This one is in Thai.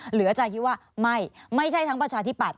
อาจารย์คิดว่าไม่ไม่ใช่ทั้งประชาธิปัตย